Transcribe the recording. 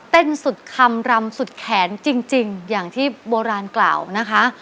สุดคำรำสุดแขนจริงอย่างที่โบราณกล่าวนะคะ